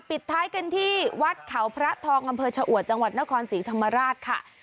ปิดท้ายกันที่วัดเขาพระทองอำเภอชะอวดจังหวัดนครศรีธรรมราชค่ะ